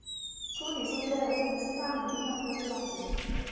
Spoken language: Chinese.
粗体数据代表从激发函数算出的最大值。